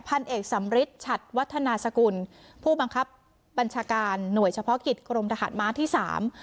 พันเอกสำริทฉัดวัฒนาสกุลผู้บังคับบัญชาการหน่วยเฉพาะกิจกรมทหารม้าที่สาม